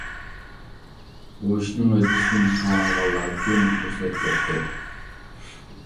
بۇ ئىشنىڭ ھۆددىسىدىن چىقالايدىغانلار ئۈچۈن پۇرسەت كەپتۇ.